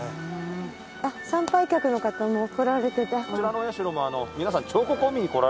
参拝客の方も来られてて。